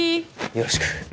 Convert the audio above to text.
よろしく。